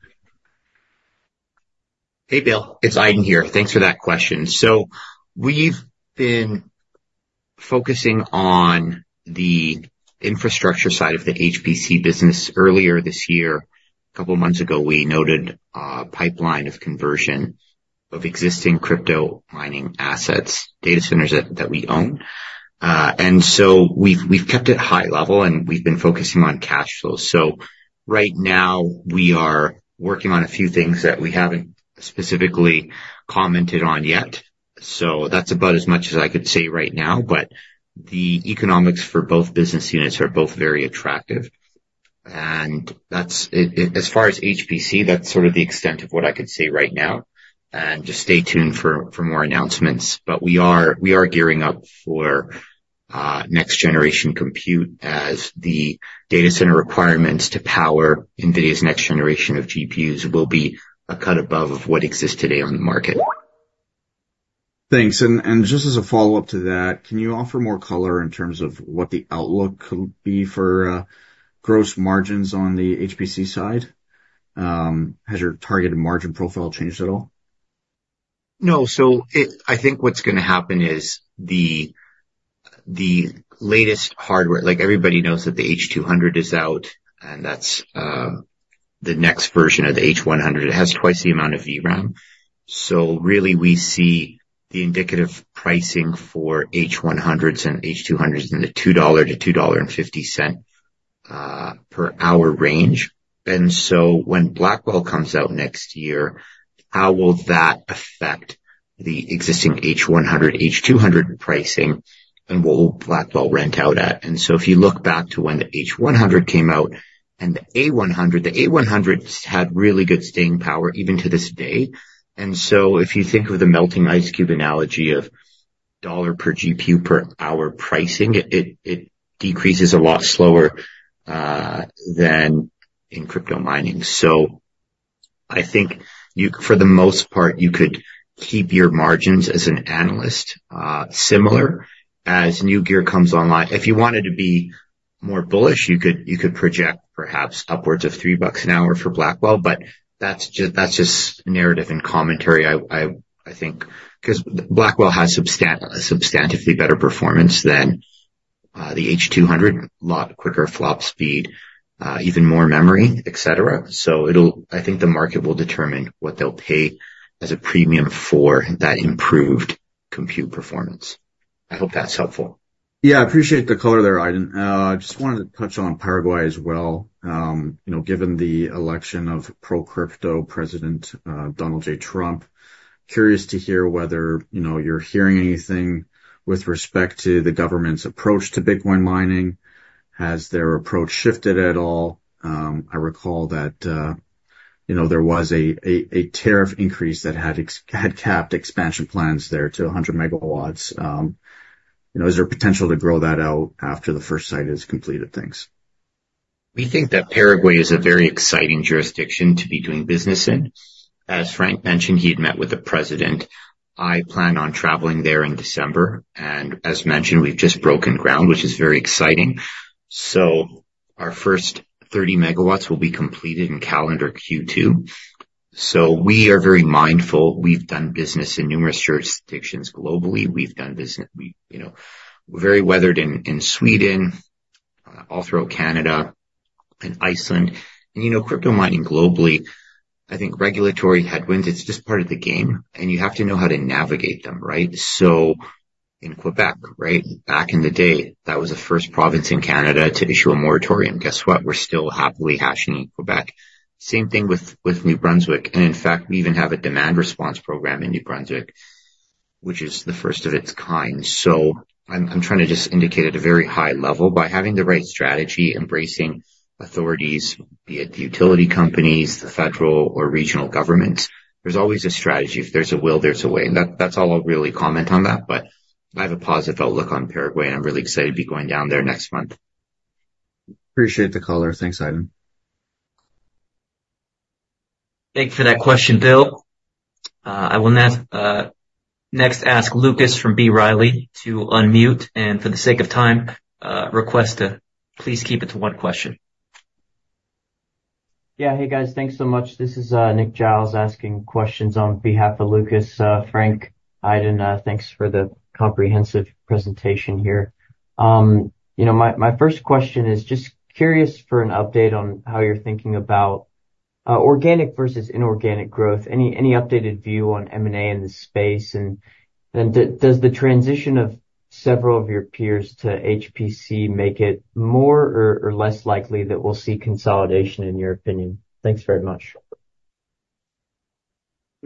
Hey, Bill, it's Aydin here. Thanks for that question, so we've been focusing on the infrastructure side of the HPC business earlier this year. A couple of months ago, we noted a pipeline of conversion of existing crypto mining assets, data centers that we own, and so we've kept it high level, and we've been focusing on cash flows, so right now, we are working on a few things that we haven't specifically commented on yet, so that's about as much as I could say right now, but the economics for both business units are both very attractive. And as far as HPC, that's sort of the extent of what I could say right now. And just stay tuned for more announcements. But we are gearing up for next-generation compute as the data center requirements to power NVIDIA's next generation of GPUs will be a cut above what exists today on the market. Thanks. And just as a follow-up to that, can you offer more color in terms of what the outlook could be for gross margins on the HPC side? Has your targeted margin profile changed at all? No. So I think what's going to happen is the latest hardware, like everybody knows that the H200 is out, and that's the next version of the H100. It has twice the amount of VRAM. So really, we see the indicative pricing for H100s and H200s in the $2-$2.50 per hour range. When Blackwell comes out next year, how will that affect the existing H100, H200 pricing, and what will Blackwell rent out at? If you look back to when the H100 came out and the A100, the A100 had really good staying power even to this day. If you think of the melting ice cube analogy of $ per GPU per hour pricing, it decreases a lot slower than in crypto mining. I think for the most part, you could keep your margins as an analyst similar as new gear comes online. If you wanted to be more bullish, you could project perhaps upwards of three bucks an hour for Blackwell, but that's just narrative and commentary, I think, because Blackwell has substantively better performance than the H200, a lot quicker flop speed, even more memory, etc. So I think the market will determine what they'll pay as a premium for that improved compute performance. I hope that's helpful. Yeah, I appreciate the color there, Aydin. I just wanted to touch on Paraguay as well. Given the election of pro-crypto President Donald J. Trump, curious to hear whether you're hearing anything with respect to the government's approach to Bitcoin mining. Has their approach shifted at all? I recall that there was a tariff increase that had capped expansion plans there to 100 MWs. Is there a potential to grow that out after the first site has completed things? We think that Paraguay is a very exciting jurisdiction to be doing business in. As Frank mentioned, he had met with the president. I plan on traveling there in December. And as mentioned, we've just broken ground, which is very exciting. Our first 30 MWs will be completed in calendar Q2. We are very mindful. We've done business in numerous jurisdictions globally. We've done business. We're very weathered in Sweden, also Canada, and Iceland. And crypto mining globally, I think regulatory headwinds; it's just part of the game, and you have to know how to navigate them, right? In Quebec, right? Back in the day, that was the first province in Canada to issue a moratorium. Guess what? We're still happily hashing in Quebec. Same thing with New Brunswick. And in fact, we even have a demand response program in New Brunswick, which is the first of its kind. I'm trying to just indicate at a very high level by having the right strategy, embracing authorities, be it the utility companies, the federal or regional governments. There's always a strategy. If there's a will, there's a way. That's all I'll really comment on that, but I have a positive outlook on Paraguay, and I'm really excited to be going down there next month. Appreciate the color. Thanks, Aydin. Thank you for that question, Bill. I will next ask Lucas from B. Riley to unmute. For the sake of time, request to please keep it to one question. Yeah. Hey, guys. Thanks so much. This is Nick Giles asking questions on behalf of Lucas. Frank, Aydin, thanks for the comprehensive presentation here. My first question is just curious for an update on how you're thinking about organic versus inorganic growth, any updated view on M&A in the space, and does the transition of several of your peers to HPC make it more or less likely that we'll see consolidation, in your opinion? Thanks very much.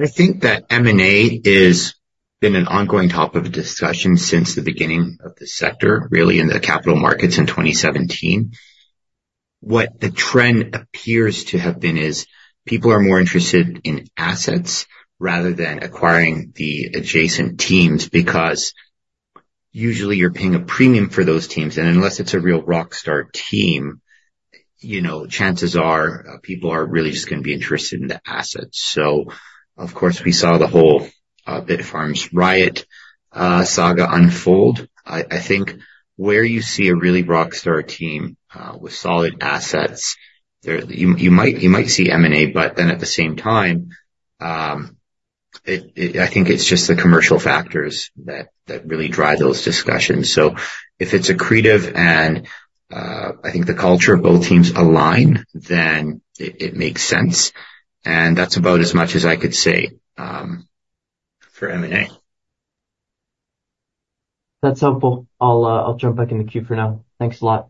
I think that M&A has been an ongoing topic of discussion since the beginning of the sector, really, in the capital markets in 2017. What the trend appears to have been is people are more interested in assets rather than acquiring the adjacent teams because usually you're paying a premium for those teams, and unless it's a real rockstar team, chances are people are really just going to be interested in the assets, so of course, we saw the whole Bitfarms Riot saga unfold. I think where you see a really rockstar team with solid assets, you might see M&A, but then at the same time, I think it's just the commercial factors that really drive those discussions, so if it's accretive and I think the culture of both teams align, then it makes sense, and that's about as much as I could say for M&A. That's helpful. I'll jump back in the queue for now. Thanks a lot.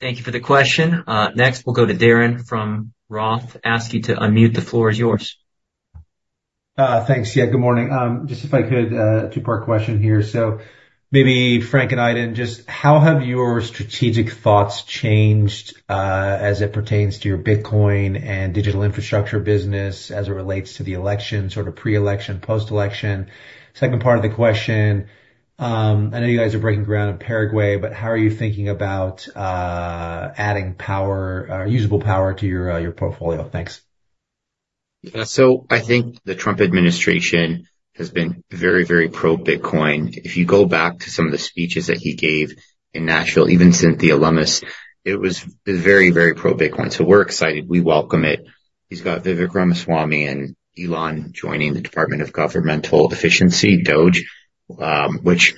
Thank you for the question. Next, we'll go to Darren from Roth. Ask you to unmute. The floor is yours. Thanks. Yeah, good morning. Just if I could, a two-part question here. So maybe Frank and Aydin, just how have your strategic thoughts changed as it pertains to your Bitcoin and digital infrastructure business as it relates to the election, sort of pre-election, post-election? Second part of the question, I know you guys are breaking ground in Paraguay, but how are you thinking about adding usable power to your portfolio? Thanks. Yeah. So I think the Trump administration has been very, very pro-Bitcoin. If you go back to some of the speeches that he gave in Nashville, even Cynthia Lummis, it was very, very pro-Bitcoin. So we're excited. We welcome it. He's got Vivek Ramaswamy and Elon joining the Department of Government Efficiency, DOGE, which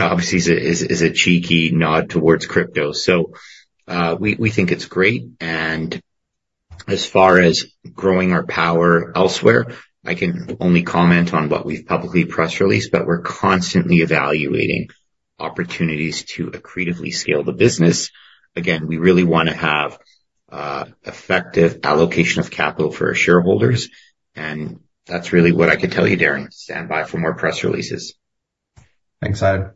obviously is a cheeky nod towards crypto. So we think it's great. And as far as growing our power elsewhere, I can only comment on what we've publicly press released, but we're constantly evaluating opportunities to accretively scale the business. Again, we really want to have effective allocation of capital for our shareholders. And that's really what I could tell you, Darren. Stand by for more press releases. Thanks, Aydin.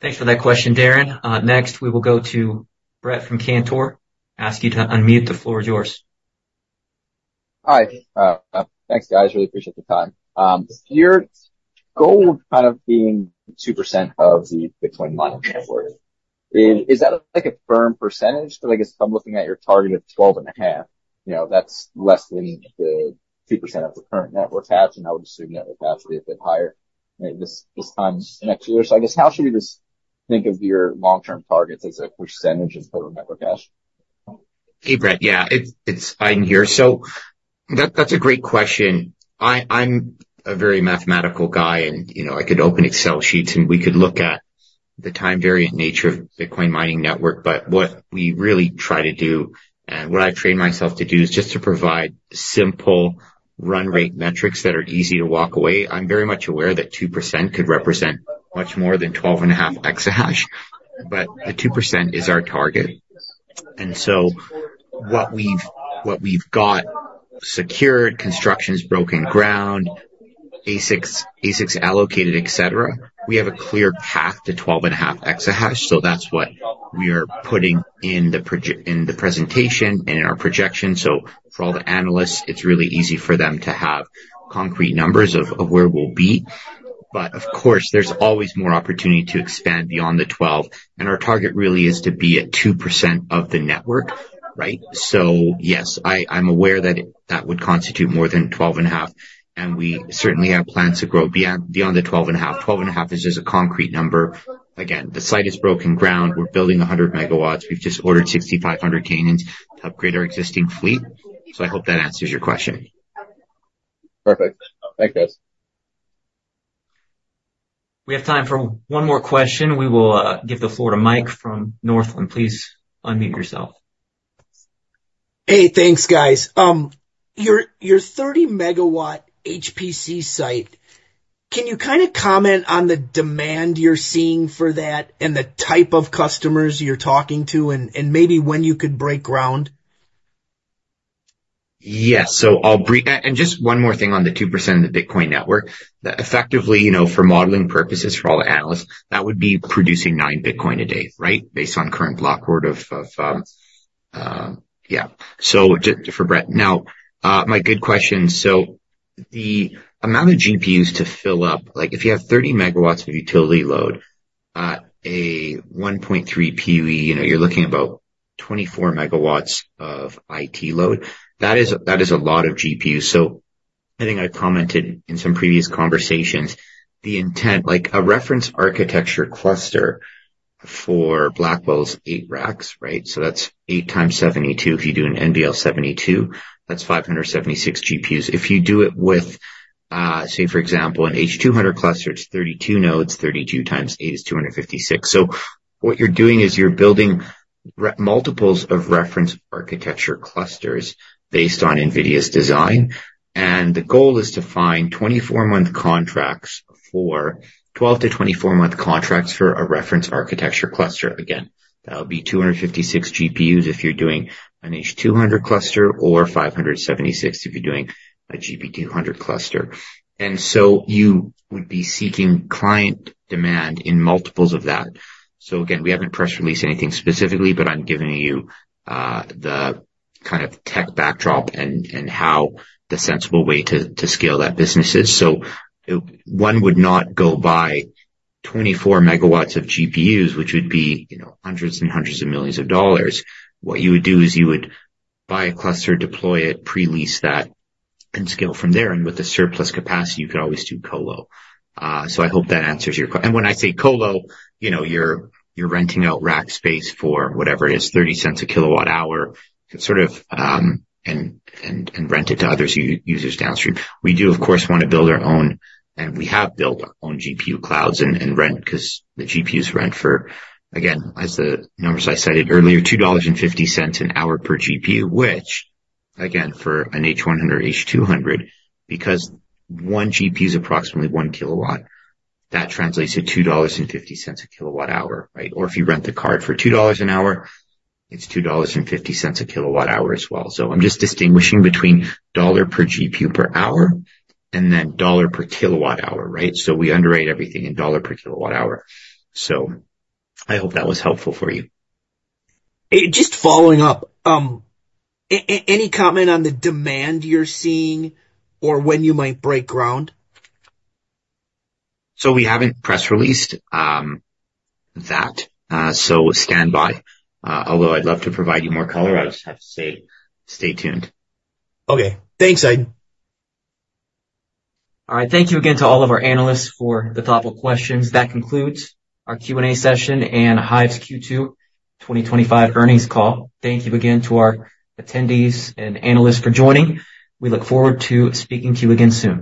Thanks for that question, Darren. Next, we will go to Brett from Cantor, ask you to unmute. The floor is yours. Hi. Thanks, guys. Really appreciate the time. Your goal of kind of being 2% of the Bitcoin mining network, is that a firm percentage? Because I guess I'm looking at your target of 12 and a half. That's less than the 2% of the current network hash, and I would assume network hash would be a bit higher this time next year. So I guess how should we just think of your long-term targets as a percentage of total network hash? Hey, Brett. Yeah, it's fine here. So that's a great question. I'm a very mathematical guy, and I could open Excel sheets and we could look at the time-variant nature of Bitcoin mining network. But what we really try to do, and what I've trained myself to do, is just to provide simple run rate metrics that are easy to walk away. I'm very much aware that 2% could represent much more than 12 and a half exahash, but the 2% is our target. And so what we've got secured, construction's broken ground, ASICs allocated, etc., we have a clear path to 12 and a half exahash. So that's what we are putting in the presentation and in our projection. So for all the analysts, it's really easy for them to have concrete numbers of where we'll be. But of course, there's always more opportunity to expand beyond the 12. And our target really is to be at 2% of the network, right? So yes, I'm aware that that would constitute more than 12 and a half, and we certainly have plans to grow beyond the 12 and a half. 12 and a half is just a concrete number. Again, the site is broken ground. We're building 100 MWs. We've just ordered 6,500 Canaans to upgrade our existing fleet. So I hope that answers your question. Perfect. Thank you, guys. We have time for one more question. We will give the floor to Mike from Northland. Please unmute yourself. Hey, thanks, guys. Your 30-MW HPC site, can you kind of comment on the demand you're seeing for that and the type of customers you're talking to and maybe when you could break ground? Yes. And just one more thing on the 2% of the Bitcoin network. Effectively, for modeling purposes for all the analysts, that would be producing 9 Bitcoin a day, right, based on current block reward of, yeah. So just for Brett. Now, Mike good question. So the amount of GPUs to fill up, if you have 30 MWs of utility load, a 1.3 PUE, you're looking at about 24 MWs of IT load. That is a lot of GPUs. So I think I commented in some previous conversations, a reference architecture cluster for Blackwell's eight racks, right? That's eight times 72. If you do an NVL72, that's 576 GPUs. If you do it with, say, for example, an H200 cluster, it's 32 nodes. 32 times eight is 256. So what you're doing is you're building multiples of reference architecture clusters based on NVIDIA's design. And the goal is to find 12-24-month contracts for a reference architecture cluster. Again, that would be 256 GPUs if you're doing an H200 cluster or 576 if you're doing a GB200 cluster. And so you would be seeking client demand in multiples of that. So again, we haven't press released anything specifically, but I'm giving you the kind of tech backdrop and how the sensible way to scale that business is. So one would not go buy 24 MWs of GPUs, which would be hundreds and hundreds of millions of dollars. What you would do is you would buy a cluster, deploy it, pre-lease that, and scale from there. And with the surplus capacity, you could always do colo. So I hope that answers your question. And when I say colo, you're renting out rack space for whatever it is, $0.30 a kWh, sort of, and rent it to other users downstream. We do, of course, want to build our own, and we have built our own GPU clouds and rent because the GPUs rent for, again, as the numbers I cited earlier, $2.50 an hour per GPU, which, again, for an H100, H200, because one GPU is approximately one kilowatt, that translates to $2.50 a kWh, right? Or if you rent the card for $2 an hour, it's $2.50 a kWh as well. So I'm just distinguishing between $ per GPU per hour and then $ per kWh, right? So we underrate everything in $ per kWh. So I hope that was helpful for you. Just following up, any comment on the demand you're seeing or when you might break ground? So we haven't press released that. So stand by. Although I'd love to provide you more color, I just have to say, stay tuned. Okay. Thanks, Aydin. All right. Thank you again to all of our analysts for the thoughtful questions. That concludes our Q&A session and HIVE's Q2 2025 earnings call. Thank you again to our attendees and analysts for joining. We look forward to speaking to you again soon.